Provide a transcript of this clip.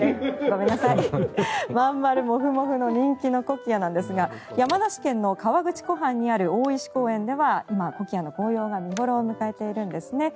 真ん丸モフモフの人気のコキアなんですが山梨県の河口湖畔にある大石公園では今、コキアの紅葉が見頃を迎えているんですね。